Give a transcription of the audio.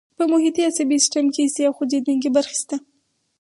په محیطي عصبي سیستم کې حسي او خوځېدونکي برخې شته.